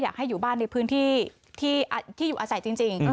อยากให้อยู่บ้านในพื้นที่ที่อยู่อาศัยจริง